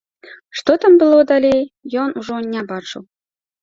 Што там было далей, ён ужо не бачыў.